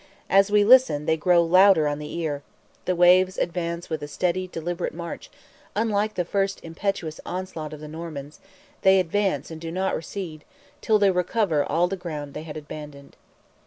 as we listen they grow louder on the ear; the waves advance with a steady, deliberate march, unlike the first impetuous onslaught of the Normans; they advance and do not recede, till they recover all the ground they had abandoned.